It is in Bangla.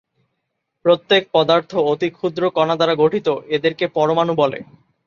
প্রত্যেক পদার্থ অতি ক্ষুদ্র কণা দ্বারা গঠিত, এদেরকে পরমাণু বলে।